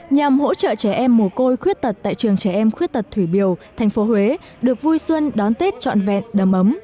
nhằm hỗ trợ trẻ em mồ côi khuyết tật tại trường trẻ em khuyết tật thủy biều tp huế được vui xuân đón tết trọn vẹn đầm ấm